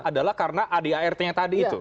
adalah karena adart nya tadi itu